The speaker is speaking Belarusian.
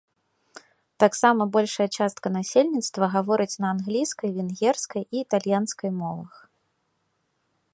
Таксама большая частка насельніцтва гаворыць на англійскай, венгерскай і італьянскай мовах.